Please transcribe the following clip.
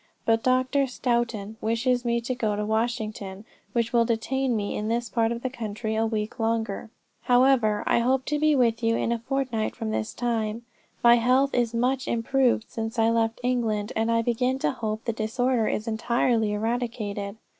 But Dr. Stoughton wishes me to go to Washington, which will detain me in this part of the country a week longer. However I hope to be with you in a fortnight from this time. My health is much improved since I left England and I begin to hope the disorder is entirely eradicated."